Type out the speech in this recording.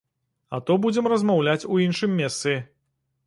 А то будзем размаўляць у іншым месцы.